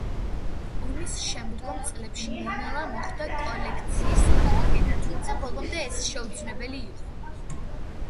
ომის შემდგომ წლებში ნელ-ნელა მოხდა კოლექციის აღდგენა, თუმცა ბოლომდე ეს შეუძლებელი იყო.